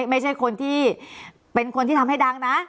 ไม่ใช่คนที่เป็นคนที่ทำให้ดังนะ